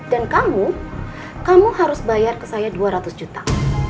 kamu kamu harus bayar ke saya dua ratus juta